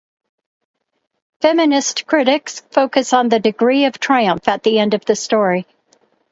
Feminist critics focus on the degree of triumph at the end of the story.